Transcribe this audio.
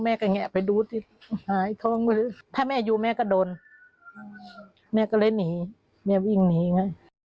แงะไปดูสิหายทองมือถ้าแม่อยู่แม่ก็โดนแม่ก็เลยหนีแม่วิ่งหนีไง